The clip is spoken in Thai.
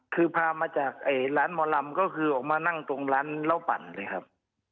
คือพามาจากร้านหมอลำก็คือออกมานั่งตรงร้านเหล้าปั่นเลยครับ